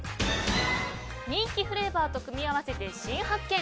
人気フレーバーと組み合わせて新発見！